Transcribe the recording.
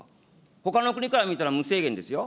ほかの国から見たら無制限ですよ。